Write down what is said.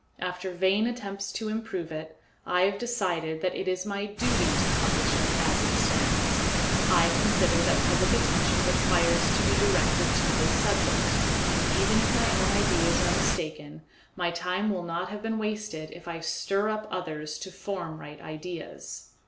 After vain attempts to improve it, I have decided that it is my duty to publish it as it stands. I consider that public attention requires to be directed to this subject, and even if my own ideas are mistaken, my time will not have been wasted if I stir up others to form right ideas.